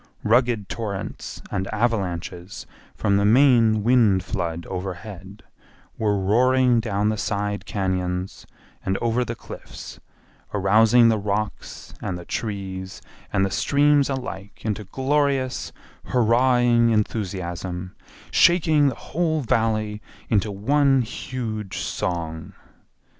Rugged torrents and avalanches from the main wind flood overhead were roaring down the side cañons and over the cliffs, arousing the rocks and the trees and the streams alike into glorious hurrahing enthusiasm, shaking the whole Valley into one huge song.